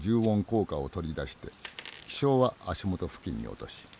１０ウォン硬貨を取り出して記章は足元付近に落とし